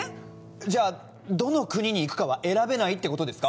じゃどの国に行くかは選べないってことですか！？